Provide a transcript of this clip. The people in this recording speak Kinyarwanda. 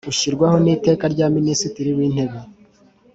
Ushyirwaho n iteka rya minisitiri w intebe